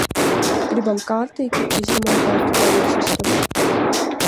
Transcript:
Gribam kārtīgi izremontēt vannasistabu.